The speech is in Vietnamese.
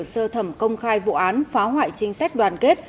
sơ thẩm công khai vụ án phá hoại chính sách đoàn kết